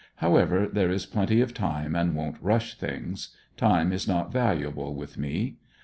However, there is plenty of time, and won't rush things. Time is not valuable with me.